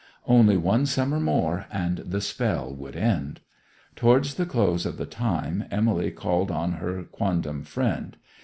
Only one summer more, and the 'spell' would end. Towards the close of the time Emily called on her quondam friend.